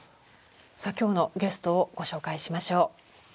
さあ今日のゲストをご紹介しましょう。